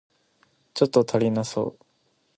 ちょっと足りなそう